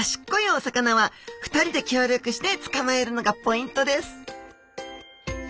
お魚は２人で協力してつかまえるのがポイントです